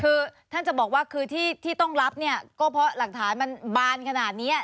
คือท่านจะบอกว่าคือที่ต้องรับเนี่ยก็เพราะหลักฐานมันบานขนาดนี้